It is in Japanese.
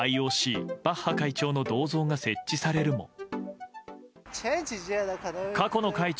ＩＯＣ、バッハ会長の銅像が設置されるも。